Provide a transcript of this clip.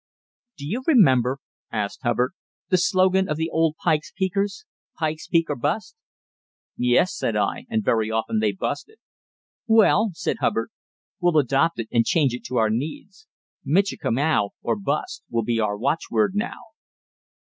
"Do you remember," asked Hubbard, "the slogan of the old Pike's Peakers? 'Pike's Peak or Bust?'" "Yes," said I; "and very often they busted." "Well," said Hubbard, "we'll adopt it and change it to our needs. 'Michikamau or Bust,' will be our watchword now."